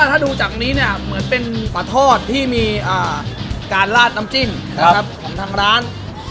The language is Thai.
ถ้าดูจากนี้เนี่ยเหมือนเป็นปลาทอดที่มีการลาดน้ำจิ้มนะครับของทางร้าน